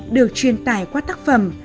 được truyền tải qua tác phẩm